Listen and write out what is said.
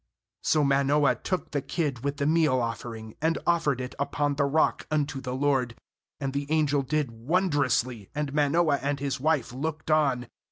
19S6 Manoah took the kid with the meal offering, and offered it upon the rock unto the LORD; and [the angel] did wondr ously , and Manoah and his wife looked on.